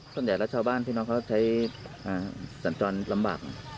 ส่วนใหญ่แล้วชาวบ้านพี่น้องเขาใช้สัญจรลำบาก